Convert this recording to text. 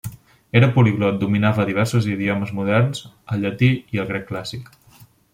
Era poliglot, dominava diversos idiomes moderns, el llatí i el grec clàssic.